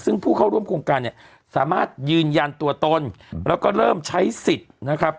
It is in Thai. ซึ่งผู้เข้าร่วมโครงการเนี่ยสามารถยืนยันตัวตนแล้วก็เริ่มใช้สิทธิ์นะครับ